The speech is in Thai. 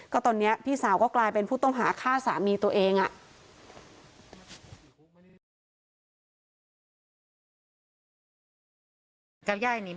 ก็ตอนนี้พี่สาวก็กลายเป็นผู้ต้องหาฆ่าสามีตัวเองอ่ะ